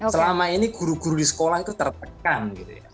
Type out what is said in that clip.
selama ini guru guru di sekolah itu tertekan gitu ya